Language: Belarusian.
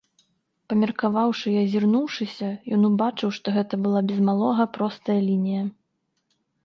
Памеркаваўшы і азірнуўшыся, ён убачыў, што гэта была, без малога, простая лінія.